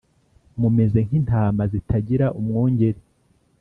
Mumeze nk’intama zitagira umwungeri